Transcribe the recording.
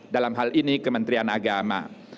dalam hal ini kementerian agama